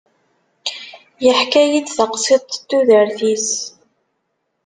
Yeḥka-yi-d taqsiṭ n tudert-is.